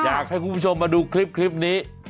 อยากให้คุณผู้ชมมาดูคลิปนี้